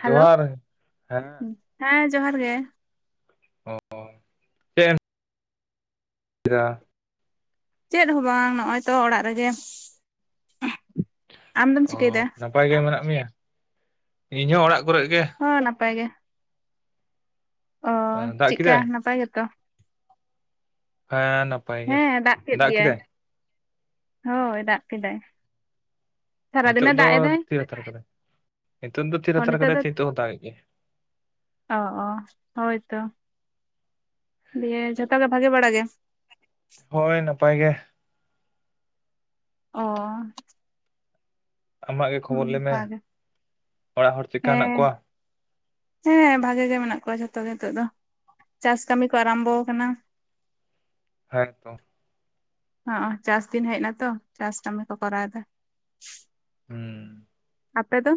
Hello ᱦᱮᱸ ᱦᱮᱸ ᱡᱚᱦᱟᱨ ᱜᱮ᱾ [inaudible] ᱪᱮᱫᱮᱢ [inaudible] ᱪᱮᱫ ᱦᱚᱸ ᱵᱟᱝ ᱱᱚᱜ-ᱚᱭ ᱛᱚ ᱚᱲᱟᱜ ᱨᱮᱜᱮ᱾ ᱟᱢᱫᱚᱢ ᱚ ᱪᱤᱠᱟᱹᱭᱮᱫᱟ ᱱᱟᱯᱟᱭ ᱜᱮ ᱢᱮᱱᱟᱜ ᱢᱮᱭᱟ, ᱤᱧᱦᱚᱸ ᱚᱲᱟᱜ ᱠᱚᱨᱮᱜ ᱜᱮ᱾ ᱦᱚᱸ ᱱᱟᱯᱟᱭ ᱜᱮ᱾ ᱚᱻ ᱫᱟᱜ ᱪᱮᱜᱠᱟ ᱠᱮᱫᱟᱭ ᱱᱟᱯᱟᱭ ᱜᱮᱛᱚ᱾ ᱦᱮᱸ ᱱᱟᱯ ᱦᱮᱸ ᱫᱟᱜ ᱠᱮᱫ ᱜᱮᱭᱟᱭ, ᱦᱳᱭ ᱫᱟᱜ ᱠᱮᱫᱟᱭ᱾ ᱦᱤᱛᱚᱜ ᱥᱟᱨᱟᱫᱤᱱᱮ ᱫᱚ ᱫᱟᱜ ᱮᱫᱟᱭ ᱛᱷᱤᱨ ᱦᱟᱛᱟᱨ ᱠᱟᱫᱟᱭ, ᱦᱤᱛᱚᱜ ᱫᱚ ᱛᱷᱤᱨ ᱚ ᱦᱟᱛᱟᱨ ᱱᱤᱛᱚᱜ ᱠᱟᱫᱟᱭ ᱫᱚ ᱥᱮ ᱦᱤᱛᱚᱜ ᱦᱚ ᱫᱟᱜ ᱮᱫ ᱜᱮᱭᱟᱭ᱾ ᱚ ᱚ ᱦᱳᱭ ᱛᱚ᱾ ᱫᱤᱭᱮ ᱡᱷᱚᱛᱚ ᱜᱮ ᱵᱷᱟᱜᱮ ᱵᱟᱲᱟ ᱜᱮ? ᱦᱳᱭ ᱱᱟᱯᱟᱭ ᱜᱮ᱾ ᱚ, ᱟᱢᱟᱜ ᱜᱮ ᱦᱩᱸ ᱠᱷᱚᱵᱚᱨ ᱞᱟᱹᱭᱢᱮ, ᱵᱷᱟᱜᱮ ᱚᱲᱟᱜ ᱦᱚᱲ ᱪᱮᱜᱠᱟ ᱦᱮᱱᱟᱜ ᱠᱚᱣᱟ? ᱦᱮᱸ ᱦᱮᱸ ᱵᱷᱟᱜᱮ ᱜᱮ ᱢᱮᱱᱟᱜ ᱠᱚᱣᱟ ᱡᱷᱚᱛᱚ ᱜᱮ ᱱᱤᱛᱚᱜ ᱫᱚ, ᱪᱟᱥ ᱠᱟᱹᱢᱤ ᱠᱚ ᱟᱨᱟᱢᱵᱚ ᱠᱟᱱᱟ᱾ ᱦᱮᱸᱛᱚ᱾ ᱦᱚᱸ ᱪᱟᱥ ᱫᱤᱱ ᱦᱮᱡ ᱱᱟᱛᱚ ᱪᱟᱥ ᱠᱟᱹᱢᱤ ᱠᱚ ᱠᱚᱨᱟᱣ ᱮᱫᱟ᱾ ᱦᱩᱸ, ᱟᱯᱮ ᱫᱚ?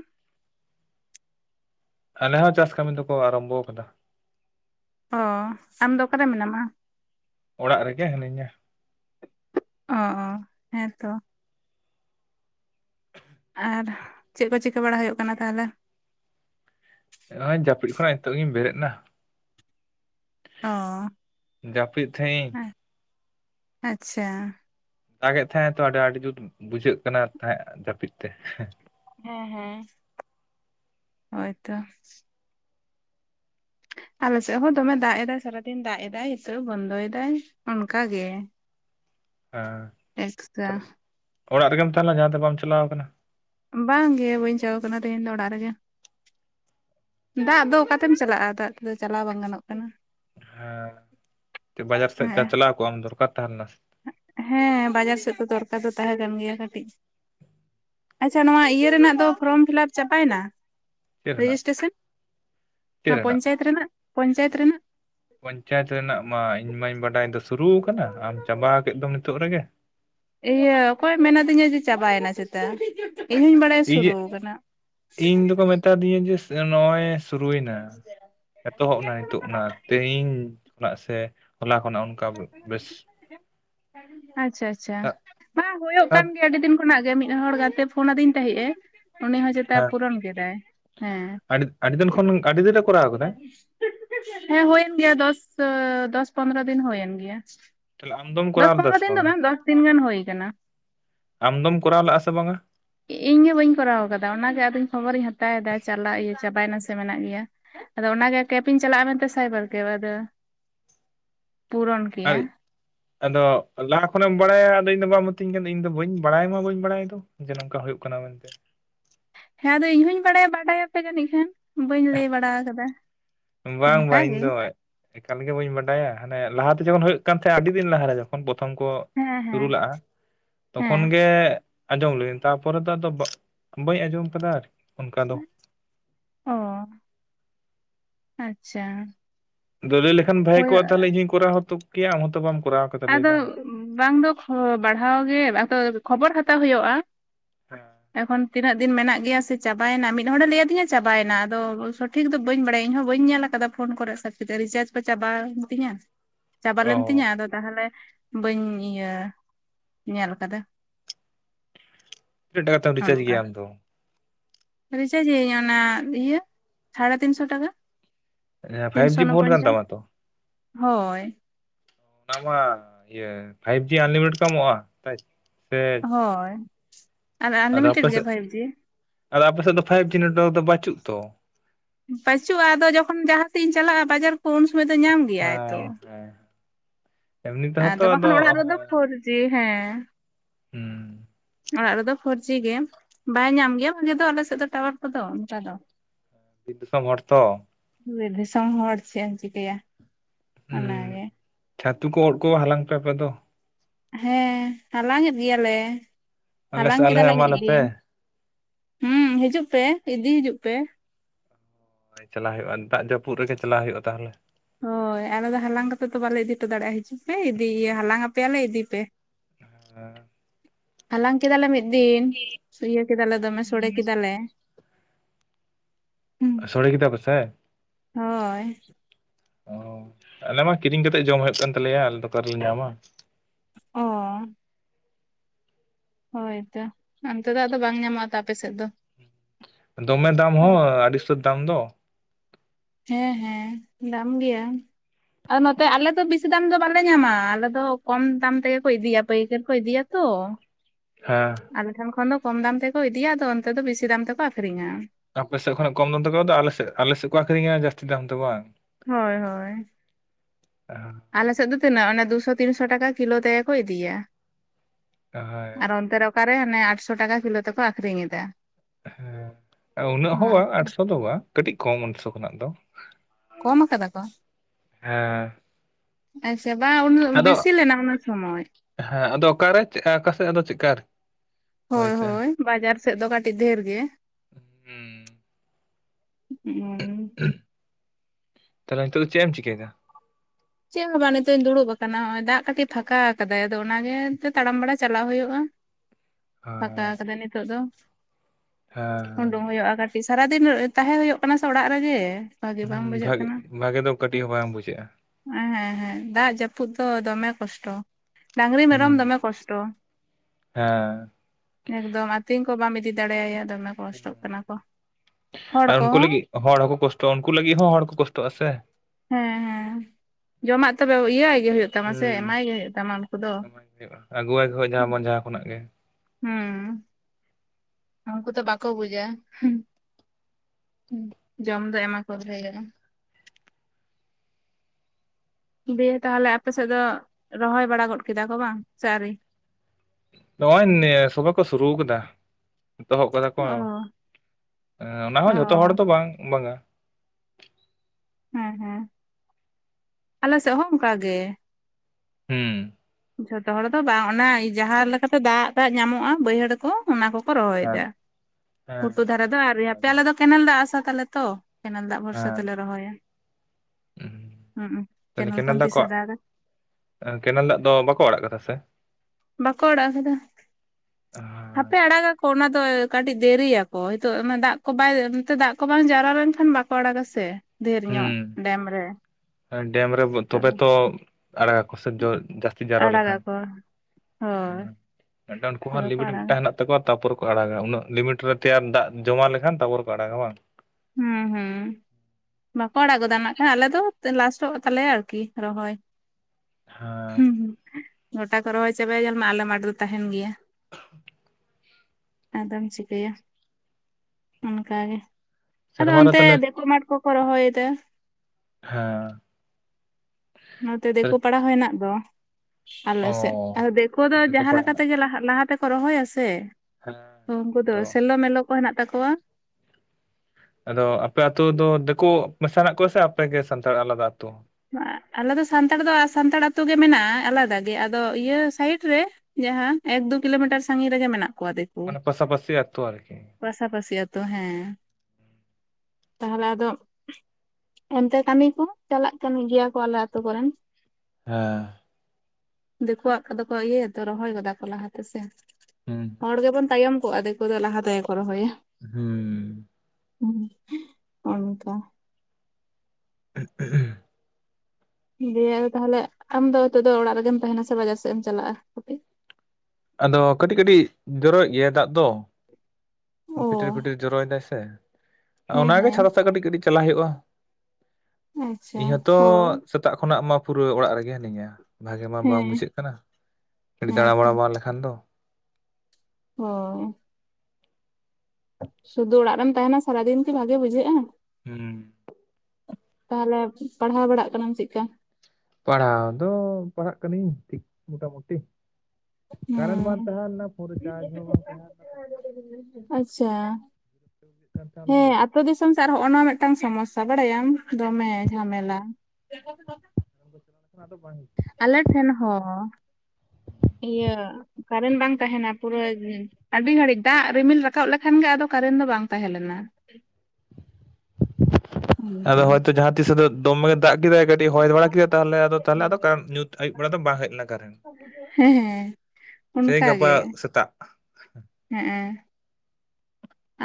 ᱟᱞᱮ ᱦᱚᱸ ᱪᱟᱥ ᱠᱟᱹᱢᱤ ᱫᱚᱠᱚ ᱟᱨᱟᱢᱵᱚ ᱠᱟᱫᱟ᱾ ᱚ, ᱟᱢᱫᱚ ᱚᱠᱟᱨᱮ ᱢᱮᱱᱟᱢᱟ? ᱚᱲᱟᱜ ᱨᱮᱜᱮ ᱦᱤᱱᱟᱹᱧᱟ᱾ ᱚ ᱦᱮᱸᱛᱚ᱾ ᱟᱨ ᱪᱮᱫ ᱠᱚ ᱪᱤᱠᱟᱹ ᱵᱟᱲᱟ ᱦᱩᱭᱩᱜ ᱠᱟᱱᱟ ᱛᱟᱦᱚᱞᱮ? ᱱᱚᱜ-ᱚᱭ ᱡᱟᱹᱯᱤᱫ ᱠᱷᱚᱱᱟᱜ ᱦᱤᱛᱚᱜ ᱜᱤᱧ ᱵᱮᱨᱮᱫ ᱱᱟ᱾ ᱚ, ᱡᱟᱹᱯᱤᱫ ᱛᱟᱦᱮᱸᱜ ᱤᱧ ᱦᱮᱸ, ᱟᱪᱪᱷᱟ᱾ ᱫᱟᱜᱮᱫ ᱛᱟᱦᱮᱸᱜ ᱟᱛᱚ ᱟᱹᱰᱤ ᱟᱹᱰᱤ ᱡᱳᱨ ᱵᱩᱡᱷᱟᱹᱜ ᱠᱟᱱᱟ ᱛᱟᱦᱮᱸᱫ ᱡᱟᱹᱯᱤᱫ ᱛᱮ᱾ ᱦᱮᱸ ᱦᱮᱸ, ᱦᱳᱭᱛᱚ᱾ ᱟᱞᱮ ᱥᱮᱫ ᱦᱚᱸ ᱫᱚᱢᱮ ᱫᱟᱜ ᱮᱫᱟᱭ ᱥᱟᱨᱟ ᱫᱤᱱ ᱫᱟᱜ ᱮᱫᱟᱭ ᱦᱤᱛᱟᱹᱜ ᱵᱚᱱᱫᱚᱭ ᱫᱟᱭ ᱚᱱᱠᱟ ᱜᱮ᱾ ᱦᱮᱸ, ᱮᱠᱥᱟ ᱛᱟᱦᱚᱞᱮ ᱚᱲᱟᱜ ᱨᱮᱜᱮᱢ ᱛᱟᱦᱮᱸᱞᱮᱱᱟ ᱡᱟᱦᱟᱸ ᱫᱚ ᱵᱟᱢ ᱪᱟᱞᱟᱣ ᱠᱟᱱᱟ᱾ ᱵᱟᱝ ᱜᱮ ᱵᱟᱹᱧ ᱪᱟᱞᱟᱣ ᱠᱟᱱᱟ ᱛᱮᱦᱮᱧ ᱫᱚ ᱚᱲᱟᱜ ᱨᱮᱜᱮ᱾ ᱫᱟᱜ ᱫᱚ ᱚᱠᱟᱛᱮᱢ ᱪᱟᱞᱟᱜ-ᱟ ᱫᱟᱜ ᱛᱮᱫᱚ ᱪᱟᱞᱟᱣ ᱵᱟᱝ ᱜᱟᱱᱚᱜ ᱠᱟᱱᱟ᱾ ᱦᱮᱸ ᱪᱮᱫ ᱵᱟᱡᱟᱨ ᱥᱮᱫ ᱦᱮᱸ ᱪᱟ ᱪᱟᱞᱟᱣ ᱠᱚᱜ ᱟᱢ ᱫᱚᱨᱠᱟᱨ ᱛᱟᱦᱮᱸ ᱞᱮᱱᱟ ᱥᱮᱡ ᱦᱮᱸ ᱵᱟᱡᱟᱨ ᱥᱮᱫ ᱫᱚ ᱫᱚᱨᱠᱟᱨ ᱫᱚ ᱛᱟᱦᱮᱸ ᱠᱟᱱ ᱜᱮᱭᱟ ᱠᱟᱹᱴᱤᱡ᱾ ᱟᱪᱪᱷᱟ ᱱᱚᱣᱟ ᱤᱭᱟᱹ ᱨᱮᱱᱟᱜ ᱫᱚ ᱯᱷᱚᱨᱚᱢ ᱯᱷᱤᱞᱟᱯ ᱪᱟᱵᱟᱭᱮᱱᱟ? ᱪᱮᱫ ᱨᱮᱱᱟᱜ ᱨᱮᱡᱤᱥᱴᱮᱥᱚᱱ, ᱱᱚᱣᱟ ᱯᱚᱧᱪᱟᱭᱮᱫ ᱨᱮᱱᱟᱜ, ᱯᱚᱧᱪᱟᱭᱮᱫ ᱨᱮᱱᱟᱜ᱾ ᱯᱚᱧᱪᱟᱭᱮᱛ ᱨᱮᱱᱟᱜ ᱢᱟ ᱤᱧ ᱢᱟᱧ ᱵᱟᱰᱟᱭ ᱫᱚ ᱥᱩᱨᱩ ᱠᱟᱱᱟ ᱟᱢ ᱪᱟᱵᱟ ᱠᱮᱫ ᱫᱚᱢ ᱱᱤᱛᱚᱜ ᱨᱮᱜᱮ᱾ ᱤᱭᱟᱹ ᱚᱠᱚᱭ ᱮ ᱢᱮᱱᱫᱤᱧᱟ ᱡᱮ ᱪᱟᱵᱟᱭᱮᱱᱟ ᱪᱮᱛᱟ ᱤᱧᱦᱚᱧ ᱵᱟᱲᱟᱭ, ᱮ ᱥᱩᱨᱩ ᱠᱟᱱᱟ᱾ [inaudible] ᱱᱚᱜ-ᱚᱭ ᱥᱩᱨᱩᱭᱮᱱᱟ᱾ ᱮᱛᱚᱦᱚᱵ ᱮᱱᱟ ᱱᱤᱛᱚᱜ ᱚᱱᱟ ᱛᱮᱦᱮᱧ ᱠᱷᱚᱱᱟᱜ ᱥᱮ ᱦᱚᱞᱟ ᱠᱷᱚᱱᱟᱜ ᱚᱱᱠᱟ ᱵᱮᱥ, ᱟᱪᱪᱷᱟ ᱟᱪᱪᱷᱟ, ᱛᱟ- ᱢᱟᱱᱮ ᱦᱳᱭᱳᱜ ᱠᱟᱱ ᱛᱟ- ᱜᱮᱭᱟ ᱟᱹᱰᱤ ᱫᱤᱱ ᱠᱷᱚᱱᱟᱜ ᱜᱮ ᱢᱤᱫ ᱦᱚᱲ ᱜᱟᱛᱮ ᱯᱷᱳᱱᱟᱫᱤᱧ ᱛᱟᱦᱮᱸᱜ ᱮ ᱩᱱᱤ ᱦᱚᱸ ᱪᱮᱛᱟ ᱦᱮᱸ ᱯᱩᱨᱚᱱ ᱠᱮᱫᱟᱭ ᱦᱮᱸ᱾ ᱟᱹᱰᱤ ᱟᱹᱰᱤ ᱫᱤᱱ ᱠᱷᱚᱱ ᱟᱹᱰᱤ ᱫᱤᱱ ᱨᱮ, [unintelligible] ᱦᱮᱸ ᱦᱳᱭᱮᱱ ᱜᱮᱭᱟ ᱫᱚᱥ, ᱫᱚᱥ ᱯᱚᱸᱫᱨᱚ ᱫᱤᱱ ᱦᱳᱭᱮᱱ ᱜᱮᱭᱟ᱾ ᱛᱟᱦᱞᱮ ᱟᱢ ᱫᱚᱢ ᱫᱚᱥ ᱠᱚᱨᱟᱣ ᱞᱮᱫᱟ ᱯᱚᱸᱫᱨᱚ ᱥᱮ ᱫᱤᱱ ᱫᱚ ᱵᱟᱝ ᱫᱚᱥ ᱫᱤᱱ ᱜᱟᱱ ᱦᱳᱭ ᱠᱟᱱᱟ᱾ ᱟᱢ ᱫᱚᱢ ᱠᱚᱨᱟᱣ ᱞᱟᱜ-ᱟ ᱥᱮ ᱵᱟᱝᱟ? ᱤᱧᱦᱚᱸ ᱵᱟᱹᱧ ᱠᱚᱨᱟᱣ ᱠᱟᱫᱟ ᱚᱱᱟᱜᱮ ᱟᱫᱚᱧ ᱠᱷᱚᱵᱚᱨᱤᱧ ᱦᱟᱛᱟᱣ ᱮᱫᱟ ᱪᱟᱞᱟᱜ ᱪᱟᱵᱟᱭᱮᱱᱟ ᱥᱮ ᱢᱮᱱᱟᱜ ᱜᱮᱭᱟ ᱾ ᱟᱫᱚ ᱚᱱᱟ ᱜᱮ ᱠᱮᱵ ᱤᱧ ᱪᱟᱞᱟᱜ-ᱟ ᱢᱮᱱ ᱛᱮ ᱥᱟᱭᱵᱟᱨ ᱠᱮᱵ ᱟᱫᱚ ᱯᱩᱨᱚᱱᱼᱼ [unintelligible] ᱟᱫᱚ ᱞᱟᱦᱟ ᱠᱷᱚᱱᱮᱢ ᱵᱟᱲᱟᱭᱟ ᱟᱫᱚ ᱤᱧ ᱵᱟᱢ ᱢᱤᱛᱟᱹᱧ ᱠᱟᱱᱟ ᱤᱧ ᱫᱚ ᱵᱟᱹᱧ ᱵᱟᱲᱟᱭ ᱢᱟ ᱵᱟᱹᱧ ᱵᱟᱲᱟᱭ ᱫᱚ ᱾ ᱡᱮ ᱱᱚᱝᱠᱟ ᱦᱩᱭᱩᱜ ᱠᱟᱱᱟ ᱢᱮᱱ ᱛᱮ ᱾ ᱦᱮᱸ ᱟᱫᱚ ᱤᱧ ᱦᱩᱧ ᱵᱟᱲᱟᱭ ᱵᱟᱰᱟᱭ ᱟᱯᱮ ᱡᱟᱱᱤᱡ ᱠᱷᱟᱱ ᱵᱟᱹᱧ ᱞᱟᱹᱭ ᱵᱟᱲᱟ ᱟᱠᱟᱫᱟ ᱾ ᱵᱟᱝ ᱵᱟᱝ ᱤᱧ ᱫᱚᱭᱼᱼ ᱮᱠᱟᱞ ᱜᱮ ᱵᱟᱹᱧ ᱵᱟᱰᱟᱭᱟ ᱦᱟᱱᱮ ᱞᱟᱦᱟ ᱛᱮ ᱡᱚᱠᱷᱚᱱ ᱦᱩᱭᱩᱜ ᱠᱟᱱ ᱛᱟᱦᱮᱸᱫ ᱟᱹᱰᱤ ᱫᱤᱱ ᱞᱟᱦᱟ ᱨᱮ ᱡᱚᱠᱷᱚᱱ ᱯᱨᱚᱛᱷᱚᱢ ᱠᱚ ᱦᱮᱸ ᱾ ᱥᱩᱨᱩ ᱦᱮᱸ ᱞᱟᱜᱼᱟ ᱛᱚᱠᱷᱚᱱ ᱦᱮᱸ ᱜᱮᱼᱼ ᱟᱸᱡᱚᱢ ᱞᱮᱫ ᱟᱹᱧ ᱛᱟᱯᱚᱨᱮ ᱫᱚ ᱟᱫᱚ ᱵᱟᱹᱧ ᱟᱸᱡᱚᱢ ᱟᱠᱟᱫᱟ ᱟᱨᱠᱤ ᱚᱱᱠᱟ ᱫᱚ ᱾ ᱚ ᱟᱪᱪᱷᱟ ᱾ ᱟᱫᱚ ᱞᱟᱹᱭ ᱞᱮᱠᱷᱟᱱ ᱵᱷᱟᱭ ᱠᱚᱜ-ᱟ ᱛᱟᱦᱚᱞᱮ ᱤᱧ ᱦᱚᱧ ᱠᱚᱨᱟᱣ ᱦᱚᱛᱚ ᱠᱮᱜ-ᱟ ᱟᱢ ᱦᱚᱸᱛᱚ ᱵᱟᱢ ᱠᱚᱨᱟᱣ ᱠᱟᱫᱟ ᱞᱟᱹᱭ ᱟᱫᱚ ᱫᱟᱢ ᱵᱟᱝ ᱫᱚ ᱵᱟᱲᱦᱟᱣ ᱜᱮ ᱟᱫᱚ ᱠᱷᱚᱵᱚᱨ ᱦᱟᱛᱟᱣ ᱦᱩᱭᱩᱜ-ᱟ ᱦᱮᱸ ᱾ ᱮᱠᱷᱚᱱ ᱛᱤᱱᱟᱹᱜᱼᱼ ᱫᱤᱱ ᱢᱮᱱᱟᱜ ᱜᱮᱭᱟ ᱥᱮ ᱪᱟᱵᱟᱭᱱᱟ ᱢᱤᱫ ᱦᱚᱲᱮ ᱞᱟᱹᱭ ᱟᱹᱫᱤᱧᱟ ᱪᱟᱵᱟᱭ ᱮᱱᱟ ᱟᱫᱚ ᱥᱚᱴᱷᱤᱠ ᱫᱚ ᱵᱟᱹᱧ ᱵᱟᱲᱟᱭᱟ ᱤᱧᱦᱚᱸ ᱵᱟᱹᱧ ᱧᱮᱞ ᱟᱠᱟᱫᱟ ᱯᱷᱚᱱ ᱠᱚ ᱨᱮ ᱾ ᱛᱟ ᱯᱟᱨᱮ ᱨᱤᱪᱟᱨᱡᱽ ᱠᱚ ᱪᱟᱵᱮᱱ ᱛᱤᱧᱟᱹ ᱪᱟᱵᱟ ᱞᱮᱱ ᱚ ᱛᱤᱧᱟᱹ ᱟᱫᱚᱼᱼ ᱛᱟᱦᱚᱞᱮ ᱵᱟᱹᱧ ᱤᱭᱟᱹ ᱧᱮᱞ ᱟᱠᱟᱫᱟ ᱾ ᱛᱤᱱᱟᱜ ᱴᱟᱠᱟ ᱛᱮᱢ ᱨᱤᱪᱟᱨᱡᱽ ᱜᱮᱭᱟ ᱟᱢ ᱫᱚ ᱾ ᱨᱤᱪᱟᱨᱡᱽ ᱤᱧ ᱚᱱᱟ ᱤᱭᱟᱹ ᱥᱟᱲᱮ ᱛᱤᱱᱥᱚ ᱴᱟᱠᱟ ᱾ ᱯᱷᱟᱭᱤᱵ ᱛᱤᱱᱥᱚ ᱡᱤ ᱩᱱ ᱯᱷᱳᱱ ᱠᱟᱱ ᱯᱚᱧᱪᱟᱥ ᱛᱟᱢᱟ ᱛᱚ ᱦᱳᱭ ᱾ ᱚᱱᱟ ᱢᱟ ᱤᱭᱟᱹ ᱯᱷᱟᱭᱤᱵ ᱡᱤ ᱟᱱᱞᱤᱢᱤᱴ ᱠᱚ ᱮᱢᱚᱜ-ᱟ ᱥᱮ ᱾ ᱦᱚᱭ ᱟᱨ ᱟᱱᱞᱤᱢᱤᱴᱰ ᱜᱮ ᱟᱯᱮᱥᱮᱫ ᱯᱷᱟᱭᱤᱵ ᱡᱤ ᱾ ᱟᱫᱚ ᱟᱯᱮ ᱥᱮᱫ ᱫᱚ ᱯᱷᱟᱭᱤᱵ ᱡᱤ ᱱᱮᱴᱣᱟᱨᱠ ᱫᱚ ᱵᱟᱹᱪᱩᱜ ᱛᱚ ᱾ ᱵᱟᱪᱩᱜ-ᱟ ᱟᱫᱚ ᱡᱚᱠᱷᱚᱱ ᱡᱟᱦᱟᱸ ᱥᱮᱫ ᱤᱧ ᱪᱟᱞᱟᱜ-ᱟ ᱵᱟᱡᱟᱨ ᱠᱚ ᱩᱱ ᱥᱚᱢᱚᱭ ᱫᱚ ᱧᱟᱢ ᱜᱮᱭᱟᱭ ᱛᱚ ᱦᱮᱸ ᱾ ᱦᱮᱸ ᱮᱢᱱᱤ ᱛᱮᱦᱚᱸ ᱛᱚ ᱟᱫᱚ ᱵᱟᱠᱷᱟᱱ ᱚᱲᱟᱜ ᱨᱮ ᱫᱚ ᱦᱮᱸ ᱯᱷᱚᱨᱡᱤ ᱦᱮᱸ ᱾ ᱦᱩᱸ ᱾ ᱚᱲᱟᱜ ᱨᱮ ᱫᱚ ᱯᱷᱚᱨ ᱡᱤ ᱜᱮ ᱵᱟᱭ ᱧᱟᱢ ᱜᱮᱭᱟ ᱵᱷᱟᱜᱮ ᱫᱚ ᱟᱞᱮ ᱥᱮᱫ ᱫᱚ ᱴᱟᱣᱟᱨ ᱠᱚ ᱫᱚ ᱚᱱᱠᱟ ᱫᱚ ᱾ ᱵᱤᱨ ᱫᱤᱥᱚᱢ ᱦᱚᱲ ᱛᱚ ᱾ ᱵᱤᱨ ᱫᱤᱥᱚᱢ ᱦᱚᱲ ᱪᱮᱫ ᱮᱢ ᱪᱤᱠᱟᱹᱭᱟ ᱦᱩᱸ ᱚᱱᱟ ᱜᱮ ᱾ ᱪᱷᱟᱹᱛᱩ ᱠᱚ ᱩᱫ ᱠᱚ ᱦᱟᱞᱟᱝ ᱯᱮ ᱟᱯᱮ ᱫᱚ ᱾ ᱦᱮᱸ ᱦᱟᱞᱟᱝ ᱮᱫ ᱜᱮᱭᱟ ᱞᱮ ᱟᱞᱮ ᱦᱟᱞᱟᱝ ᱥᱮᱫ ᱟᱞᱮ ᱠᱮᱫᱟᱞᱮ ᱦᱚᱸ ᱢᱤᱫ ᱮᱢᱟᱞᱮᱯᱮ ᱫᱤᱱ ᱾ ᱦᱮᱸ ᱦᱤᱡᱩᱜ ᱯᱮ ᱤᱫᱤ ᱦᱤᱡᱩᱜ ᱯᱮ ᱾ ᱦᱚᱭ ᱪᱟᱞᱟᱜ ᱦᱩᱭᱩᱜ-ᱟ ᱫᱟᱜ ᱡᱟᱹᱯᱩᱫ ᱜᱮ ᱪᱟᱞᱟᱜ ᱦᱩᱭᱩᱜ-ᱟ ᱛᱟᱦᱚᱞᱮ ᱾ ᱦᱚᱭ ᱟᱞᱮ ᱫᱚ ᱦᱟᱞᱟᱝ ᱠᱟᱛᱮᱫ ᱫᱚ ᱵᱟᱞᱮ ᱤᱫᱤ ᱦᱚᱴᱚ ᱫᱟᱲᱮᱭᱟᱜ-ᱟ ᱦᱤᱡᱩᱜ ᱯᱮ ᱤᱫᱤ ᱦᱟᱞᱟᱝ ᱟᱯᱮᱭᱟᱞᱮ ᱤᱫᱤ ᱯᱮ ᱦᱮᱸ ᱾ ᱦᱟᱞᱟᱝ ᱠᱮᱫᱟᱞᱮ ᱢᱤᱫ ᱫᱤᱱ ᱤᱭᱟᱹ ᱠᱮᱫᱟ ᱞᱮ ᱫᱚᱢᱮ ᱥᱚᱲᱮ ᱠᱮᱫᱟᱞᱮ ᱾ ᱥᱚᱲᱮ ᱠᱮᱫᱟ ᱯᱮᱥᱮ ᱾ ᱦᱚᱭ ᱾ ᱚ ᱟᱞᱮ ᱢᱟ ᱠᱤᱨᱤᱧ ᱠᱟᱛᱮᱜ ᱡᱚᱢ ᱦᱩᱭᱩᱜ ᱠᱟᱱ ᱛᱟᱞᱮᱭᱟ ᱟᱞᱮ ᱫᱚ ᱚᱠᱟ ᱨᱮᱞᱮ ᱧᱟᱢᱟ ᱾ ᱚ ᱾ ᱦᱚᱭ ᱛᱚ ᱚᱱᱛᱮ ᱫᱚ ᱟᱫᱚ ᱵᱟᱝ ᱧᱟᱢᱚᱜ-ᱟ ᱛᱚ ᱟᱯ ᱥᱮᱫ ᱫᱚ ᱾ ᱫᱚᱢᱮ ᱫᱟᱢ ᱦᱚᱸ ᱟᱹᱰᱤ ᱥᱟᱹᱛ ᱫᱟᱢ ᱫᱚ ᱾ ᱦᱮᱸ ᱦᱮᱸ ᱫᱟᱢ ᱜᱮᱭᱟ ᱾ ᱟᱨ ᱱᱚᱛᱮ ᱟᱞᱮ ᱫᱚ ᱵᱤᱥᱤ ᱫᱟᱢ ᱫᱚ ᱵᱟᱞᱮ ᱧᱟᱢᱟ ᱟᱞᱮ ᱫᱚ ᱠᱚᱢ ᱫᱟᱢ ᱛᱮ ᱜᱮ ᱠᱚ ᱤᱫᱤᱭᱟ ᱯᱟᱹᱭᱠᱟᱹᱨ ᱠᱚ ᱤᱫᱤᱭᱟ ᱾ ᱛᱚ ᱾ ᱦᱮᱸ ᱾ ᱟᱞᱮ ᱴᱷᱮᱱ ᱠᱷᱚᱱ ᱫᱚ ᱠᱚᱢ ᱫᱟᱢ ᱛᱮᱠᱚ ᱤᱫᱤᱭᱟ ᱟᱫᱚ ᱚᱱᱛᱮ ᱫᱚ ᱵᱤᱥᱤ ᱫᱟᱢ ᱛᱮᱠᱚ ᱟᱠᱷᱨᱤᱧᱟ᱾ ᱟᱯᱮ ᱥᱮᱫ ᱠᱷᱚᱱᱟᱜ ᱠᱚᱢ ᱫᱟᱢ [unintelligible] ᱟᱞᱮ ᱥᱮᱫ ᱟᱞᱮ ᱥᱮᱫ ᱠᱚ ᱟᱠᱷᱨᱤᱧᱟ ᱡᱟᱹᱥᱛᱤ ᱫᱟᱢ ᱛᱮ ᱵᱟᱝ᱾ ᱦᱳᱭ ᱦᱳᱭ ᱟᱞᱮ ᱥᱮᱫ ᱫᱚ ᱛᱤᱱᱟᱹᱜ ᱚᱱᱮ ᱫᱩᱥᱚ ᱛᱤᱱᱥᱚ ᱴᱟᱠᱟ ᱠᱤᱞᱳ ᱛᱮᱜᱮ ᱠᱚ ᱤᱫᱤᱭᱟ᱾ [unintelligible] ᱦᱟᱭ ᱟᱨ ᱚᱱᱛᱮ ᱨᱮ ᱚᱠᱟᱨᱮ ᱟᱱᱮ ᱟᱴᱥᱚ ᱴᱟᱠᱟ ᱠᱤᱞᱳ ᱛᱮᱠᱚ ᱟᱠᱷᱨᱤᱧ ᱮᱫᱟ᱾ ᱩᱱᱟᱹᱜ ᱦᱚᱸ ᱵᱟ ᱟᱴᱥᱚ ᱫᱚ ᱵᱟᱝ ᱠᱟᱹᱴᱤᱡ ᱠᱚᱢ ᱟᱴᱥᱚ ᱠᱷᱚᱱᱟᱜ ᱫᱚ᱾ ᱠᱚᱢ ᱟᱠᱟᱫᱟ ᱠᱚ᱾ ᱦᱮᱸ ᱟᱪᱪᱷᱟ ᱵᱟ ᱩᱱ ᱟᱫᱚ ᱵᱮᱥᱤ ᱞᱮᱱᱟ ᱩᱱ ᱥᱚᱢᱚᱭ᱾ ᱦᱮᱸ ᱟᱫᱚ ᱚᱠᱟᱨᱮ ᱚᱠᱟ ᱥᱮᱫ ᱟᱫᱚ ᱪᱮᱠᱟ ᱦᱳᱭ ᱥᱮ ᱵᱟᱡᱟᱨ ᱥᱮᱡ ᱫᱚ ᱠᱟᱹᱴᱤᱡ ᱰᱷᱮᱨ ᱜᱮ᱾ ᱦᱩᱸ ᱦᱩᱸ ᱛᱟᱦᱚᱞᱮ ᱱᱤᱛᱚᱜ ᱫᱚ ᱪᱮᱫ ᱮᱢ ᱪᱤᱠᱟᱹᱭᱮᱫᱟ? ᱪᱮᱫ ᱦᱚᱸ ᱵᱟᱝ ᱱᱤᱛᱚᱜ ᱤᱧ ᱫᱩᱲᱩᱵ ᱟᱠᱟᱱᱟ ᱱᱚᱜ ᱚᱭ ᱫᱟᱜ ᱠᱟᱹᱴᱤᱡ ᱯᱷᱟᱸᱠᱟ ᱟᱠᱟᱫᱟᱭ, ᱟᱫᱚ ᱚᱱᱟᱜᱮ ᱛᱟᱲᱟᱢ ᱵᱟᱲᱟ ᱪᱟᱞᱟᱜ ᱦᱩᱭᱩᱜᱼᱟ᱾ [inaudible] ᱯᱷᱟᱸᱠᱟ ᱦᱮᱸ ᱟᱠᱟᱫᱭ ᱱᱤᱛᱜ ᱫᱚ ᱦᱮᱸ ᱩᱰᱩᱝ ᱦᱩᱭᱩᱜᱼᱟ ᱠᱟᱹᱴᱤᱡ᱾ ᱥᱟᱨᱟᱫᱤᱱ ᱛᱟᱦᱮᱸ ᱦᱩᱭᱩᱜ ᱠᱟᱱᱟ ᱥᱮ ᱚᱲᱟᱜ ᱨᱮᱜᱮ᱾ ᱵᱷᱟᱜᱤ ᱵᱟᱝ ᱦᱚᱸ ᱵᱩᱡᱷᱟᱹᱜ ᱵᱷᱟᱜᱮ ᱵᱷᱟᱜᱮ ᱫᱚ ᱠᱟᱹᱴᱤᱡ ᱦᱚᱸ ᱵᱟᱝ ᱵᱩᱡᱷᱟᱹᱜᱼᱟ᱾ ᱮᱸ ᱦᱮᱸ ᱦᱮᱸ ᱫᱟᱜ ᱡᱟᱹᱯᱩᱫ ᱫᱚ ᱫᱚᱢᱮ ᱠᱚᱥᱴᱚ, ᱰᱟᱝᱨᱤ ᱦᱮᱸ ᱢᱮᱨᱚᱢ ᱫᱚᱢᱮ ᱠᱚᱥᱴᱚ᱾ ᱦᱮᱸ ᱮᱠᱫᱚᱢ ᱟᱛᱤᱧ ᱠᱚ ᱵᱟᱢ ᱤᱫᱤ ᱫᱟᱲᱮᱭᱟᱭᱟ [unintelligible] ᱠᱟᱱᱟ ᱠᱚ ᱦᱚᱲ ᱟᱨ ᱩᱱᱠᱩ ᱠᱚᱦᱚᱸ ᱞᱟᱹᱜᱤᱫ ᱦᱚᱲ ᱦᱚᱸᱠᱚ ᱠᱚᱥᱴᱚᱜᱼᱟ, ᱩᱱᱠᱩ ᱞᱟᱹᱜᱤᱫ ᱦᱚᱸ ᱦᱚᱲ ᱠᱚ ᱠᱚᱥᱴᱚᱜᱼᱟ ᱥᱮ ᱦᱮᱸ ᱦᱮᱸ ᱡᱚᱢᱟᱜ ᱛᱚᱵᱮ ᱤᱭᱟᱹ ᱟᱭ ᱜᱮ ᱦᱩᱭᱩᱜ ᱛᱟᱢᱟ ᱥᱮ ᱮᱢᱟᱭ ᱜᱮ ᱦᱩᱭᱩᱜ ᱛᱟᱢᱟ ᱩᱱᱠᱩ ᱫᱚ᱾ ᱟᱹᱜᱩᱟᱣ [unintelligible] ᱡᱟᱦᱟᱸ ᱵᱚᱝ ᱡᱟᱦᱟᱸ ᱠᱷᱚᱱᱟᱜ ᱜᱮ ᱦᱩᱸ ᱩᱱᱠᱩ ᱛᱚ ᱵᱟᱠᱚ ᱵᱩᱡᱟ᱾ ᱡᱚᱢ ᱫᱚ ᱮᱢᱟ ᱠᱚᱣᱟ ᱛᱟᱦᱮᱸ ᱠᱟᱱᱟ ᱫᱤᱭᱮ ᱛᱟᱦᱚᱞᱮ ᱟᱯᱮᱥᱮᱫ ᱫᱚ ᱨᱚᱦᱚᱭ ᱵᱟᱲᱟ ᱜᱚᱫ ᱠᱮᱫᱟ ᱠᱚ ᱵᱟᱝ ᱥᱮ ᱟᱹᱣᱨᱤ? ᱱᱚᱜᱼᱚᱭ ᱥᱚᱵᱮ ᱠᱚ ᱥᱩᱨᱩ ᱠᱟᱫᱟ ᱮᱛᱚᱦᱚᱵ ᱠᱟᱫᱟ ᱠᱚ᱾ ᱚ ᱚᱱᱟ ᱚ ᱦᱚᱸ ᱡᱷᱚᱛᱚ ᱦᱚᱲ ᱫᱚ ᱵᱟᱝ ᱵᱟᱝ-ᱟ᱾ ᱦᱮᱸ ᱦᱮᱸ ᱟᱞᱮ ᱥᱮᱫ ᱦᱚᱸ ᱚᱱᱠᱟ ᱜᱮ᱾ ᱦᱩᱸ ᱡᱷᱚᱛᱚ ᱦᱚᱲ ᱫᱚ ᱵᱟᱝ ᱚᱱᱟ ᱡᱟᱦᱟᱸ ᱞᱮᱠᱟᱛᱮ ᱫᱟᱜ ᱫᱟᱜ ᱧᱟᱢᱚᱜᱼᱟ, ᱵᱟᱹᱭᱦᱟᱹᱲ ᱠᱚ ᱚᱱᱟ ᱠᱚᱠᱚ ᱦᱮᱸ ᱨᱚᱦᱚᱭᱮᱫᱟ, ᱦᱮᱸ ᱜᱷᱩᱴᱩ ᱫᱷᱟᱨᱮ ᱫᱚ ᱟᱭᱨᱤ ᱦᱟᱯᱮ ᱟᱞᱮ ᱫᱚ ᱠᱮᱱᱮᱞ ᱫᱟᱜ ᱟᱥᱟ ᱛᱟᱞᱮ ᱛᱚ᱾ ᱠᱮᱱᱮᱞ ᱫᱟᱜ ᱵᱷᱚᱨᱥᱟ ᱛᱮᱞᱮ ᱨᱚᱦᱚᱭᱟ᱾ ᱦᱩᱸ ᱛᱟᱦᱚᱞᱮ ᱠᱮᱱᱮᱞ ᱠᱷᱚᱱ ᱫᱟᱜ ᱠᱚ ᱛᱤᱥᱮ ᱫᱟᱜᱟ ᱠᱮᱱᱮᱞ ᱫᱟᱜ ᱫᱚ ᱵᱟᱠᱚ ᱟᱲᱟᱜ ᱠᱟᱫᱟ ᱥᱮ᱾ ᱵᱟᱠᱚ ᱟᱲᱟᱜ ᱟᱠᱟᱫᱟ᱾ ᱚ ᱦᱟᱯᱮ ᱟᱲᱟᱜᱟᱠᱚ ᱚᱱᱟ ᱫᱚ ᱠᱟᱹᱴᱤᱡ ᱫᱮᱨᱤᱭᱟᱠᱚ ᱱᱤᱛᱚᱜ ᱫᱟᱜ ᱠᱚ ᱵᱟᱭ ᱱᱛᱮ ᱫᱟᱜ ᱠᱚ ᱵᱟᱝ ᱡᱟᱨᱭᱟ ᱞᱮᱱᱠᱷᱟᱱ ᱵᱟᱝ ᱠᱚ ᱟᱲᱟᱜᱼᱟ ᱥᱮ᱾ ᱰᱷᱮᱨ ᱧᱚᱜ ᱦᱩᱸ, ᱰᱮᱢ ᱨᱮ ᱰᱮᱢ ᱨᱮ ᱛᱚᱵᱮ ᱛᱚ ᱟᱲᱟᱜ ᱜᱟᱠ ᱡᱚ ᱡᱟᱹᱥᱛᱤ ᱡᱟᱣᱨᱟ ᱞᱮᱠᱷᱟᱱ᱾ ᱟᱲᱟᱜᱟᱠᱚ ᱦᱳᱭ ᱩᱱᱠᱩ ᱦᱚᱸ ᱛᱚᱵᱮ ᱠᱚ ᱞᱤᱵᱤᱴ ᱟᱲᱟᱜᱟ ᱢᱤᱫᱴᱟᱝ ᱦᱮ [unintelligible] [unintelligible] ᱛᱟᱯᱚᱨ ᱠᱚ ᱟᱲᱟᱜᱟ ᱩᱱᱟᱹᱜ ᱞᱤᱢᱤᱴ ᱨᱮ ᱛᱮᱭᱟᱨ ᱫᱟᱜ ᱡᱚᱢᱟ ᱞᱮᱠᱷᱟᱱ ᱛᱟᱯᱚᱨ ᱠᱚ ᱟᱲᱟᱜᱟ ᱵᱟᱝ᱾ ᱦᱩᱸ ᱦᱩᱸ ᱵᱟᱠᱚ ᱟᱲᱟᱜ ᱜᱚᱫᱟ ᱱᱟᱜ ᱠᱷᱟᱱ ᱟᱞᱮ ᱫᱚ ᱞᱟᱥᱴᱚᱜ᱾ ᱛᱟᱞᱮ ᱟᱨᱠᱤ ᱨᱚᱦᱚᱭ ᱾ [inaudible] ᱦᱮᱸ ᱦᱩᱸ ᱦᱩᱸ ᱾ ᱜᱚᱴᱟ ᱠᱚ ᱨᱚᱦᱚᱭ ᱪᱟᱵᱟᱭᱟ, ᱧᱮᱞᱢᱟ ᱟᱞᱮ ᱢᱟᱴᱷ ᱫᱚ ᱛᱟᱦᱮᱱ ᱜᱮᱭᱟ ᱾ [unintelligible] ᱟᱫᱚᱢ ᱪᱤᱠᱟᱹᱭᱟ, ᱚᱱᱠᱟ ᱜᱮ ᱾ ᱟᱫᱚ ᱥᱮᱨᱢᱟ ᱨᱮ ᱚᱱᱛᱮ ᱛᱟᱦᱞᱮ ᱫᱮᱠᱩ ᱢᱟᱴ ᱠᱚ ᱠᱚ ᱨᱚᱦᱭ ᱮᱫᱟ ᱾ ᱦᱮᱸ ᱾ ᱱᱚᱛᱮ ᱫᱤᱠᱳ ᱯᱟᱲᱟ ᱦᱚᱸ ᱦᱮᱱᱟᱜ ᱫᱚ ᱾ ᱟᱞᱮ ᱚ ᱥᱮᱫ, ᱟᱫᱚ ᱫᱮᱠᱳ ᱫᱚ ᱫᱤᱠᱩ ᱡᱟᱦᱟᱸ ᱯᱟᱲᱟ ᱞᱮᱠᱟ ᱦᱮᱱᱟᱜ ᱛᱮᱜᱮ ᱞᱟᱦᱟ ᱛᱮᱠᱚ ᱨᱚᱦᱚᱭᱟ ᱥᱮ ᱦᱮᱸ ᱾ ᱩᱱᱠᱩ ᱫᱚ ᱟᱫᱚ ᱥᱮᱞᱚ ᱢᱮᱞᱚ ᱠᱚ ᱦᱮᱱᱟᱜ ᱛᱟᱠᱚᱣᱟ ᱾ ᱟᱫᱚ ᱟᱯᱮ ᱟᱛᱳ ᱨᱮ ᱫᱚ ᱫᱮᱠᱳ ᱢᱮᱥᱟ ᱦᱮᱱᱟᱜ ᱠᱚᱣᱟ ᱥᱮ ᱟᱯᱮ ᱜᱮ ᱥᱟᱱᱛᱟᱲ ᱟᱞᱟᱫᱟ ᱟᱛᱳ? ᱟᱞᱮ ᱫᱚ ᱥᱟᱱᱛᱟᱲ ᱫᱚ ᱥᱟᱱᱛᱟᱲ ᱟᱹᱛᱩ ᱜᱮ ᱢᱮᱱᱟᱜᱼᱟ ᱟᱞᱟᱫᱟ ᱜᱮ ᱾ ᱟᱫᱚ ᱤᱭᱟᱹ ᱥᱟᱭᱤᱰ ᱨᱮ ᱡᱟᱦᱟᱸ ᱮᱠ ᱫᱩ ᱠᱤᱞᱳᱢᱤᱴᱟᱨ ᱥᱟᱺᱜᱤᱧ ᱨᱮᱜᱮ ᱢᱮᱱᱟᱜ ᱠᱚᱣᱟ ᱫᱮᱠᱳ ᱢᱟᱱᱮ ᱯᱟᱥᱟᱯᱟᱥᱤ ᱟᱹᱛᱩ ᱟᱨᱠᱤ ᱾ ᱯᱟᱥᱟ ᱯᱟᱥᱤ ᱟᱛᱳ, ᱦᱮᱸ ᱾ ᱛᱟᱦᱚᱞᱮ ᱟᱫᱚ [inaudible] ᱚᱱᱛᱮ ᱠᱟᱹᱢᱤ ᱠᱚᱦᱚᱸ ᱪᱟᱞᱟᱜ ᱠᱟᱱ ᱜᱤᱭᱟ ᱠᱚ ᱟᱞᱮ ᱟᱹᱛᱩ ᱠᱚᱨᱮᱱ ᱾ ᱦᱮᱸ ᱾ ᱫᱮᱠᱳᱣᱟᱜ ᱠᱚᱫᱚ ᱠᱚ ᱤᱭᱟᱹᱭᱟᱛᱚ ᱨᱚᱦᱚᱭ ᱜᱚᱫᱟ ᱠᱚ ᱞᱟᱦᱟ ᱛᱮ ᱥᱮ ᱾ ᱦᱚᱲ ᱜᱮᱵᱚᱱ ᱛᱟᱭᱚᱢ ᱠᱚᱜᱼᱟ ᱫᱮᱠᱳ ᱫᱚ ᱞᱟᱦᱟ ᱛᱮᱜᱮ ᱠᱚ ᱨᱚᱦᱚᱭᱟ ᱾ ᱦᱩᱸ ᱾ ᱦᱩᱸ, ᱦᱚᱸᱜ-ᱚ ᱱᱚᱝᱠᱟ ᱾ [inaudible] ᱫᱤᱭᱮ ᱟᱫᱚ ᱛᱟᱦᱚᱞᱮ ᱟᱢ ᱫᱚ ᱱᱤᱛᱚᱜ ᱫᱚ ᱚᱲᱟᱜ ᱨᱮᱜᱮᱢ ᱛᱟᱦᱮᱱᱟ ᱥᱮ ᱵᱟᱡᱟᱨ ᱥᱮᱫ ᱮᱢ ᱪᱟᱞᱟᱜᱼᱟ ᱠᱟᱹᱴᱤᱡ? ᱟᱫᱚ ᱠᱟᱹᱴᱤᱡ ᱠᱟᱹᱴᱤᱡ ᱡᱚᱨᱚᱭᱮᱫ ᱜᱮᱭᱟᱭ ᱫᱟᱜ ᱫᱚ‌ ᱾ ᱚ ᱯᱷᱤᱴᱤᱨ ᱯᱷᱤᱴᱤᱨ ᱡᱚᱨᱚᱭᱮᱫᱟᱭ ᱥᱮ ᱾ ᱦᱮᱸ ᱚᱱᱟᱜᱮ ᱦᱮᱸ ᱪᱷᱟᱛᱟ ᱥᱟᱵ ᱠᱟᱛᱜ ᱠᱟᱹᱴᱤᱡ ᱪᱟᱞᱟᱜ ᱦᱩᱭᱩᱜᱼᱟ ᱾ [inaudible] ᱟᱪᱪᱷᱟ ᱤᱧ ᱦᱚᱸᱛᱚ ᱦᱳᱭ ᱥᱮᱛ ᱥᱮᱛᱟᱜ ᱠᱷᱚᱱᱟᱜ ᱢᱟ ᱯᱩᱨᱟᱹ ᱚᱲᱟᱜ ᱨᱮᱜᱮ ᱦᱤᱱᱟᱹᱧᱟ, ᱵᱷᱟᱜᱮ ᱢᱟ ᱵᱟᱝ ᱦᱮᱸ ᱵᱩᱡᱷᱟᱹᱜ ᱠᱟᱱᱟ ᱠᱟᱹᱴᱤᱡ ᱦᱮᱸ ᱫᱟᱬᱟ ᱛᱚ ᱵᱟᱲᱟ ᱵᱟᱝ ᱞᱮᱠᱷ ᱟᱱ ᱫᱚ ᱚᱻ ᱥᱩᱫᱩ ᱚᱲᱟᱜ ᱨᱮᱢ ᱛᱟᱦᱮᱱᱟ ᱥᱟᱨᱟ ᱫᱤᱱ ᱠᱤ ᱵᱷᱟᱜᱮ ᱵᱩᱡᱷᱟᱹᱜᱼᱟ ᱾ ᱦᱩᱸ ᱾ ᱛᱟᱦᱚᱞᱮ ᱯᱟᱲᱦᱟᱣ ᱵᱟᱲᱟᱜ ᱠᱟᱱᱟᱢ ᱪᱮᱜᱠᱟ? ᱯᱟᱲᱦᱟᱣ ᱫᱚ ᱯᱟᱲᱦᱟᱜ ᱠᱟᱹᱱᱟᱧ ᱴᱷᱤᱠ ᱢᱚᱴᱟ ᱢᱩᱴᱤ ᱾ ᱠᱟᱨᱮᱱᱴ ᱦᱩᱸ ᱵᱟᱝ ᱛᱟᱦᱮᱸ ᱞᱮᱱᱟ ᱯᱷᱳᱱ ᱨᱮ ᱪᱟᱨᱡᱽ ᱦᱚᱸ ᱵᱟᱝ ᱛᱟᱦᱮᱸ ᱞᱮᱱᱟ ᱟᱪᱪᱷᱟ ᱾ [inaudible] [unintelligible] ᱦᱮᱸ ᱟᱛᱳ ᱫᱤᱥᱚᱢ ᱥᱮᱫ ᱟᱨ ᱦᱚᱜ-ᱚ ᱱᱚᱣᱟ ᱢᱤᱫᱴᱟᱝ ᱥᱚᱢᱚᱥᱥᱟ ᱵᱟᱲᱟᱭᱟᱢ, ᱫᱚᱢᱮ ᱡᱷᱟᱢᱮᱞᱟ ᱾ [unintelligible] ᱟᱫᱚ ᱵᱟᱝ ᱟᱞᱮ ᱴᱷᱮᱱ ᱦᱚᱸ ᱾ ᱤᱭᱟᱹ ᱠᱟᱨᱮᱱᱴ ᱵᱟᱝ ᱛᱟᱦᱮᱱᱟ ᱯᱩᱨᱟᱹ ᱟᱹᱰᱤ ᱜᱷᱟᱹᱲᱤᱡ ᱫᱟᱜ ᱨᱤᱢᱤᱞ ᱨᱟᱠᱟᱵ ᱞᱮᱠᱷᱟᱱ ᱜᱮ ᱟᱫᱚ ᱠᱟᱨᱮᱱᱴ ᱫᱚ ᱵᱟᱝ ᱛᱟᱦᱮᱸ ᱞᱮᱱᱟ ᱾ [inaudible] ᱟᱫᱚ ᱦᱚᱭᱛᱳ ᱡᱟᱦᱟᱸ ᱛᱤᱥ ᱟᱫᱚ ᱫᱚᱢᱮ ᱫᱟᱜ ᱠᱮᱫᱟᱭ, ᱠᱟᱹᱴ ᱦᱚᱭ ᱵᱟᱲᱟ ᱠᱮᱫᱟ, ᱛᱟᱦᱚᱞᱮ ᱟᱫᱚ ᱧᱩᱛ ᱟᱹᱭᱩᱵ ᱵᱮᱲᱟ ᱫᱚ ᱵᱟᱝ ᱦᱮᱡ ᱞᱮᱱᱟ ᱠᱟᱨᱮᱱᱴ ᱦᱮᱸ ᱦᱮᱸ ᱾ ᱥᱮᱭ ᱜᱟᱯᱟ ᱥᱮᱛᱟᱜ ᱾ ᱦᱮᱸᱜ-ᱮ ᱾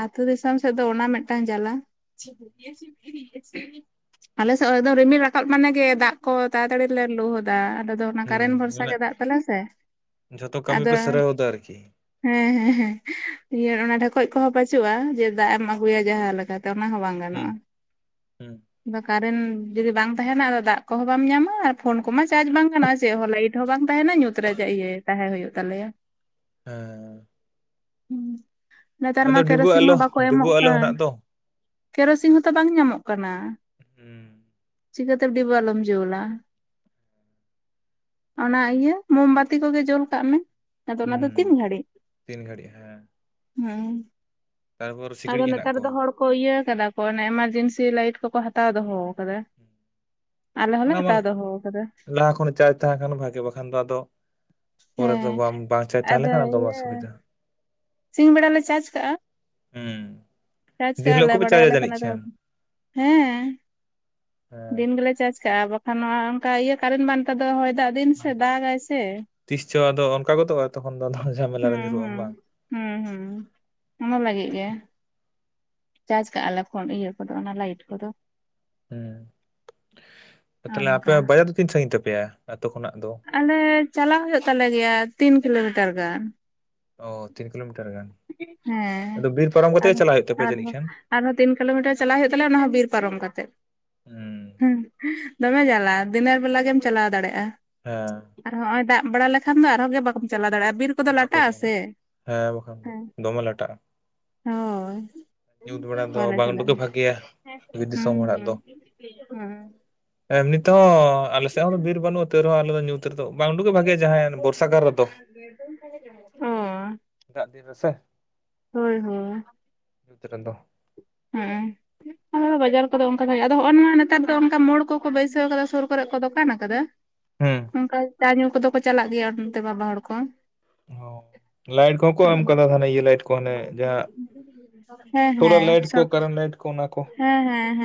ᱟᱹᱛᱩ ᱫᱤᱥᱚᱢ ᱥᱮᱫ ᱫᱚ ᱚᱱᱟ ᱢᱤᱫᱴᱟᱱ ᱡᱟᱞᱟ ᱾ [inaudible] ᱟᱞᱮᱥᱮᱜ ᱦᱚᱭ ᱫᱚ ᱨᱤᱢᱤᱞ ᱨᱟᱠᱟᱵ ᱢᱟᱱᱮ ᱜᱮ ᱫᱟᱜ ᱠᱚ ᱛᱟᱲᱟᱛᱟᱲᱤ ᱞᱮ ᱞᱩ ᱦᱚᱫᱟ ᱟᱞᱮ ᱫᱚ᱾ ᱚᱱᱟ ᱦᱩᱸ ᱠᱟᱨᱮᱱ ᱵᱷᱚᱨᱥᱟ ᱢᱟᱱᱮ ᱜᱮ ᱫᱟᱜ ᱛᱟᱞᱮᱭᱟ ᱥᱮ, ᱡᱷᱚᱛᱚ ᱠᱟᱹᱢᱤ ᱟᱫᱚ ᱯᱮ ᱥᱟᱹᱨᱟᱹᱣ ᱫᱟ ᱟᱨᱠᱤ ᱮᱸ ᱦᱮᱸ ᱦᱮᱸ ᱤᱭᱟᱹ ᱚᱱᱟ ᱰᱷᱮᱠᱚᱡ ᱠᱚᱦᱚᱸ ᱵᱟᱹᱪᱩᱼᱟ ᱡᱮ ᱫᱟᱜ ᱮᱢ ᱟᱹᱜᱩᱭᱟ ᱡᱟᱦᱟᱸ ᱞᱮᱠᱟᱛᱮ ᱚᱱᱟ ᱦᱚᱸ ᱵᱟᱝ ᱦᱩᱸ ᱜᱟᱱᱚᱜᱼᱟ᱾ ᱦᱩᱸ ᱵᱟ ᱠᱟᱨᱮᱱ ᱡᱩᱫᱤ ᱵᱟᱝ ᱛᱟᱦᱮᱱᱟ ᱟᱫᱚ ᱫᱟᱜ ᱠᱚᱦᱚ ᱵᱟᱢ ᱧᱟᱢᱟ, ᱯᱷᱳᱱ ᱠᱚᱢᱟ ᱪᱟᱡ ᱵᱟᱝ ᱜᱟᱱᱚᱼᱟ ᱪᱮᱜ ᱦᱚ ᱞᱟᱭᱤᱴ ᱦᱚ ᱵᱟᱝ ᱛᱟᱦᱮᱱᱟ ᱧᱩᱛ ᱨᱮ ᱡᱮ ᱤᱭᱟᱹ ᱛᱟᱦᱮ ᱦᱩᱭᱩᱜ ᱛᱟᱞᱮᱭᱟ᱾ ᱮ᱾ ᱦᱩᱸ, ᱱᱮᱛᱟᱨ ᱟᱫᱚ ᱢᱟ ᱰᱤᱵᱟᱹ ᱠᱮᱨᱚᱥᱤᱝ ᱟᱞᱚ ᱦᱚ ᱵᱟᱠᱚ ᱰᱤᱵᱟᱹ ᱮᱢᱚᱜ ᱟᱞᱚ ᱠᱟᱱ᱾ ᱦᱮᱱᱟᱜ ᱫᱚ ᱠᱮᱨᱚᱥᱤᱝ ᱦᱚᱛᱚ ᱵᱟᱝ ᱧᱟᱢᱚᱜ ᱠᱟᱱᱟ᱾ ᱩᱸ᱾ ᱪᱤᱠᱟᱹ ᱛᱮ ᱰᱤᱵᱟ. ᱟᱞᱳᱢ ᱡᱳᱞᱟ᱾ ᱚᱱᱟ ᱤᱭᱟᱹ ᱢᱳᱢᱵᱟᱛᱤ ᱠᱚᱜᱮ ᱡᱳᱞ ᱠᱟᱜ ᱢᱮ, ᱟᱫᱚ ᱚᱱᱟ ᱫᱚ ᱦᱩᱸ ᱛᱤᱱ ᱜᱷᱟᱹᱲᱤᱜ᱾ ᱛᱤᱱ ᱜᱷᱟᱹᱲᱤᱜ ᱦᱮᱸ᱾ ᱦᱮᱸ᱾ ᱛᱟᱨᱯᱚᱨ ᱟᱫᱚ ᱥᱤᱠᱲᱤᱡ ᱦᱮᱱᱟᱜ ᱱᱮᱛᱟᱨ ᱫᱚ ᱠᱚᱣᱟ ᱦᱚᱲ ᱠᱚ ᱤᱭᱟᱹ ᱠᱟᱫᱟ ᱠᱚ ᱚᱱᱮ ᱮᱢᱟᱨᱡᱮᱱᱥᱤ ᱞᱟᱭᱤᱴ ᱠᱚᱠᱚ ᱦᱟᱛᱟᱣ ᱫᱚᱦᱚᱣ ᱠᱟᱫᱟ᱾ [inaudible] ᱟᱞᱮ ᱦᱚᱸᱞᱮ ᱚᱱᱟ ᱢᱟ ᱦᱟᱛᱟᱣ ᱫᱚᱦᱚ ᱠᱟᱫᱟ ᱞᱟᱦᱟ ᱠᱷᱚᱱ ᱪᱟᱡᱽ ᱛᱟᱦᱮᱸ ᱠᱷᱟᱱ ᱵᱷᱟᱜᱮ ᱵᱟᱠᱷᱟᱱ ᱫᱚ ᱟᱫᱚ ᱯᱚᱨᱮ ᱦᱮᱸ ᱫᱚ ᱵᱟᱢ ᱵᱟᱝᱪᱟᱡ ᱛᱟᱦᱮ ᱞᱮᱠᱷᱟ ᱟᱫᱚ ᱵᱟ ᱥᱩᱵᱤᱫᱷᱟ᱾ ᱥᱤᱧ ᱵᱮᱲᱟ ᱞᱮ ᱪᱟᱡᱽ ᱠᱟᱼᱟ᱾ ᱦᱩᱸ᱾ ᱪᱟᱡ ᱠᱟ ᱫᱤᱱ ᱦᱤᱞᱳᱜ ᱟᱞᱮ ᱠᱚᱯᱮ ᱵᱟᱰᱟᱭ ᱪᱟᱨᱡᱟ ᱟᱞᱮ ᱛᱚ ᱡᱟᱹᱱᱤᱡ ᱠᱷᱟᱱ [unintelligible] ᱦᱮᱸ, ᱦᱮᱸ ᱫᱤᱱ ᱜᱮᱞᱮ ᱪᱟᱡ ᱠᱟᱼᱟ, ᱵᱟ ᱠᱷᱟ ᱱᱚᱣᱟ ᱚᱝᱠᱟ ᱤᱭᱟᱹ ᱠᱟᱨᱮᱱ ᱢᱟ ᱱᱮᱛᱟ ᱫᱚ ᱦᱚᱭ ᱫᱟᱜ ᱫᱤᱱ ᱥᱮ ᱫᱟᱜᱼᱟᱭ ᱥᱮ, ᱛᱤᱥ ᱪᱚ ᱟᱫᱚ ᱚᱱᱠᱟ ᱜᱚᱫᱚᱜᱼᱟ ᱛᱚᱠᱷᱚᱱ ᱫᱚ ᱟᱫᱚ ᱡᱷᱟᱢᱮᱞᱟ ᱨᱮ ᱦᱩᱸ ᱧᱩᱨᱩᱜ ᱟᱢ ᱦᱩᱸ᱾ ᱵᱟᱝ ᱦᱩᱸ ᱦᱩᱸ, ᱚᱱᱟ ᱞᱟᱜᱤᱜ ᱜᱮ᱾ ᱪᱟᱡ ᱠᱟᱼᱟᱞᱮ ᱯᱷᱳᱱ ᱤᱭᱟᱹ ᱠᱚᱫᱚ ᱚᱱᱟ ᱞᱟᱭᱤᱴ ᱠᱚᱫᱚ᱾ ᱦᱩᱸ, ᱟᱨ ᱛᱟᱦᱞᱮ ᱱᱚᱝᱠᱟ ᱟᱯᱮᱭᱟᱜ ᱵᱟᱡᱟ ᱫᱚ ᱛᱤᱱ ᱥᱟᱺᱜᱤᱧ ᱛᱟᱯᱮᱭᱟ ᱟᱛᱳ ᱠᱷᱚᱱᱟᱜ ᱫᱚ? ᱟᱞᱮ ᱪᱟᱞᱟ ᱦᱳᱭᱳ ᱛᱟᱞᱮ ᱜᱮᱭᱟ ᱛᱤᱱ ᱠᱤᱞᱳᱢᱤᱴᱟᱨ ᱜᱟᱱ᱾ ᱚ ᱛᱤᱱ ᱠᱤᱞᱳᱢᱤᱴᱟᱨ ᱜᱟᱱ, ᱦᱮᱸ ᱟᱫᱚ ᱵᱤᱨ ᱯᱟᱨᱚᱢ ᱠᱟᱛᱮ ᱟᱫᱚ ᱜᱮ ᱪᱟᱞᱟ ᱦᱩᱭᱩᱜ ᱛᱟᱯᱮᱭᱟ ᱡᱟᱹᱱᱤᱡ ᱟᱨᱦᱚᱸ ᱠᱷᱟᱱ᱾ ᱟᱨᱦᱚᱸ ᱛᱤᱱ ᱠᱤᱞᱳᱢᱤᱴᱟᱨ ᱪᱟᱞᱟᱜ ᱦᱩᱭᱩᱜ ᱛᱟᱞᱮᱭᱟ ᱚᱱᱟ ᱦᱚᱸ ᱵᱤᱨ ᱯᱟᱨᱚᱢ ᱠᱟᱛᱮᱜ᱾ ᱦᱩᱸ ᱫᱚᱢᱮ ᱡᱟᱞᱟ ᱫᱤᱱᱮᱨ ᱵᱮᱞᱟ ᱜᱮᱢ ᱪᱟᱞᱟᱣ ᱫᱟᱲᱮᱜᱼᱟ᱾ ᱦᱟ᱾ ᱟᱨ ᱦᱚᱸᱼᱚᱭ ᱫᱟᱜ ᱵᱟᱲᱟ ᱞᱮᱠᱷᱟᱱ ᱫᱚ ᱟᱨᱦᱚ ᱜᱮ ᱵᱟᱢ ᱪᱟᱞᱟᱣ ᱫᱟᱲᱮᱼᱟ, ᱵᱤᱨ ᱠᱚᱫᱚ ᱵᱟᱠᱚ ᱞᱟᱴᱟᱜ ᱪᱟᱞᱟᱣ ᱟᱥᱮ ᱫᱟᱲᱮ, ᱦᱮᱸ ᱵᱟᱠᱷᱟᱱ ᱫᱚ ᱫᱚᱢᱮ ᱞᱟᱴᱟᱼᱟ᱾ ᱦᱳᱭ᱾ ᱫᱚ ᱵᱟᱞᱮ ᱵᱟᱝ ᱩᱰᱩᱠ ᱜᱮ ᱪᱟᱞᱟᱜᱼᱟ, ᱵᱷᱟᱜᱮᱭᱟ ᱫᱤᱥᱚᱢ ᱦᱩᱸ ᱦᱩᱸ ᱦᱩᱸ᱾ ᱮᱢᱱᱤᱛᱮᱦᱚ ᱟᱞᱮ ᱥᱮ ᱦᱚ ᱵᱤᱨ ᱵᱟᱹᱱᱩᱼᱟ ᱛᱟᱹᱣ ᱨᱮᱦᱚ ᱟᱞᱮ ᱫᱚ ᱧᱩᱛ ᱨᱮᱫᱚ ᱵᱟᱝ ᱩᱰᱩᱜᱮ ᱵᱷᱟᱜᱮᱭᱟ ᱡᱟᱦᱟᱸᱭᱮᱱ ᱵᱚᱨᱥᱟ ᱜᱟ ᱨᱮᱫᱚ᱾ ᱚ᱾ ᱫᱟᱜ ᱫᱤᱱ ᱨᱮᱥᱮ᱾ ᱦᱳᱭ ᱦᱳᱭ᱾ ᱧᱩᱛ ᱨᱮᱫᱚ᱾ ᱦᱩᱸ᱾ ᱟ ᱱᱚᱣᱟ ᱵᱟᱡᱟᱨ ᱠᱚᱫᱚ ᱚᱱᱠᱟ ᱫᱚᱭ ᱟᱫᱚ ᱦᱚᱼᱚ ᱱᱚᱣᱟ ᱱᱮᱛᱟᱨ ᱫᱚ ᱚᱱᱠᱟ ᱢᱳᱲ ᱠᱚᱦᱚ ᱠᱚ ᱵᱟᱹᱭᱥᱟᱹᱣ ᱠᱟᱫᱟ ᱥᱳᱨ ᱠᱚᱨᱮ ᱠᱚ ᱫᱚᱠᱟᱱ ᱟᱠᱟᱫᱟ᱾ ᱦᱩᱸ ᱚᱝᱠᱟ ᱪᱟ ᱧᱩ ᱠᱚᱫᱚ ᱠᱚ ᱪᱟᱞᱟᱜ ᱜᱮᱭᱟ ᱚᱱᱛᱮ ᱵᱟᱵᱟ ᱦᱚᱲ ᱠᱚ᱾ ᱦᱚᱸ ᱞᱟᱭᱤᱱ ᱠᱚᱦᱚ ᱸᱠᱚ ᱮᱢ ᱠᱟᱫᱟ ᱦᱟᱱᱮ ᱤᱭᱟᱹ ᱞᱟᱭᱤᱴ ᱠᱚ ᱦᱟᱱᱮ ᱡᱟᱦᱟᱸ ᱦᱮᱸ ᱦᱮᱸ ᱛᱚᱲᱟ ᱞᱟᱭᱤᱴ᱾ ᱠᱚ ᱠᱟᱨᱮᱱᱴ ᱞᱟᱭᱤᱴ ᱠᱚ ᱚᱱᱟ ᱠᱚ᱾ ᱦᱮᱸ ᱦᱮᱸ ᱦᱮᱸ